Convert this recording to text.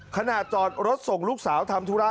ขณะจอดรถส่งลูกสาวทำธุระ